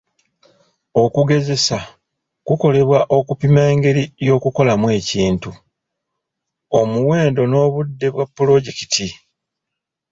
Okugezesa kukolebwa okupima engeri y'okukolamu ekintu, omuwendo n'obudde bwa pulojekiti.